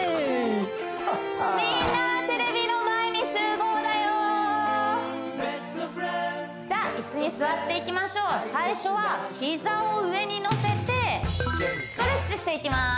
みんなテレビの前に集合だよじゃあ椅子に座っていきましょう最初は膝を上に乗せてストレッチしていきます